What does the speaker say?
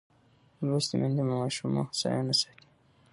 لوستې میندې د ماشوم هوساینه ساتي.